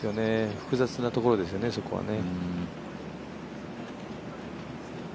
複雑なところですよね、そこはね。